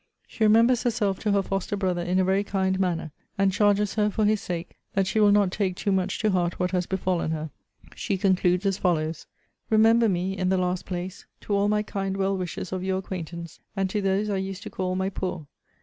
She remembers herself to her foster brother in a very kind manner; and charges her, for his sake, that she will not take too much to heart what has befallen her. She concludes as follows: Remember me, in the last place, to all my kind well wishers of your acquaintance; and to those I used to call My Poor.